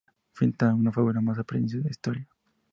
Pinta una fábula con apariencia de historia.